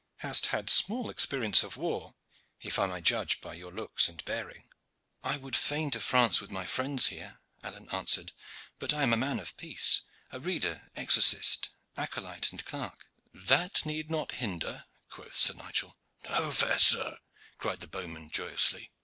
"Hast had small experience of war, if I may judge by your looks and bearing." "I would fain to France with my friends here," Alleyne answered; "but I am a man of peace a reader, exorcist, acolyte, and clerk." "That need not hinder," quoth Sir Nigel. "No, fair sir," cried the bowman joyously.